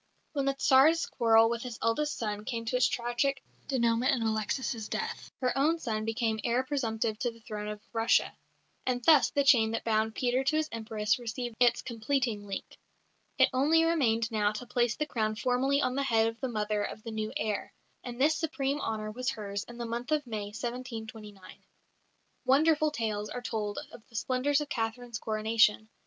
When the Tsar's quarrel with his eldest son came to its tragic dénouement in Alexis' death, her own son became heir presumptive to the throne of Russia. And thus the chain that bound Peter to his Empress received its completing link. It only remained now to place the crown formally on the head of the mother of the new heir, and this supreme honour was hers in the month of May, 1729. Wonderful tales are told of the splendours of Catherine's coronation.